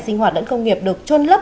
sinh hoạt đẫn công nghiệp được trôn lấp